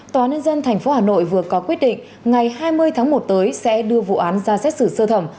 tòa nhân dân tp hà nội vừa có quyết định ngày hai mươi tháng một tới sẽ đưa vụ án ra xét xử sơ thẩm